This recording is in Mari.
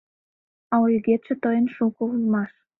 А ойгетше тыйын шуко улмаш.